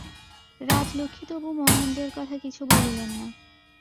রাজলক্ষ্মী তবু মহেন্দ্রের কথা কিছু বলিলেন না।